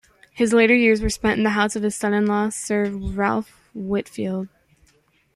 His later years were spent in the house of his son-in-law, Sir Ralph Whitfield.